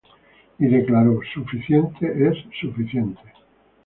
Y declaró: "Suficiente es suficiente.